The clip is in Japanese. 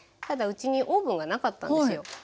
ただうちにオーブンがなかったんですよ。